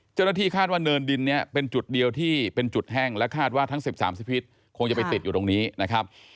เจ้าหน้าที่คาดว่าเนินดินนี้เป็นจุดเดียวที่เป็นจุดแห้งและคาดว่าทั้ง๑๓ชีวิตคงจะไปติดอยู่ตรงนี้นะครับ